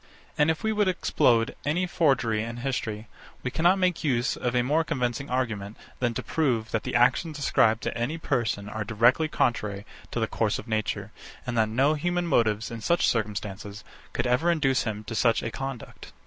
And if we would explode any forgery in history, we cannot make use of a more convincing argument, than to prove, that the actions ascribed to any person are directly contrary to the course of nature, and that no human motives, in such circumstances, could ever induce him to such a conduct.